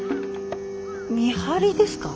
見張りですか？